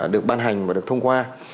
được ban hành và được thông qua